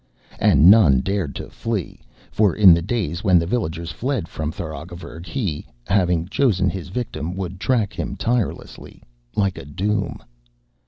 And none dared to flee, for in the days when the villagers fled from Tharagavverug, he, having chosen his victim, would track him tirelessly, like a doom.